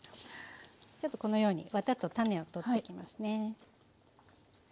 ちょっとこのようにわたと種を取っていきますね。